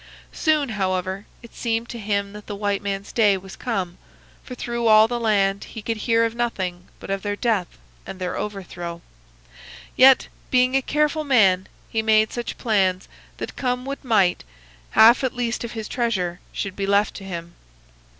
Soon, however, it seemed to him that the white men's day was come, for through all the land he could hear of nothing but of their death and their overthrow. Yet, being a careful man, he made such plans that, come what might, half at least of his treasure should be left to him.